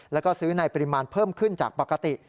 แล้วก็ซื้อในปริมาณเพิ่มขึ้นจากปกติ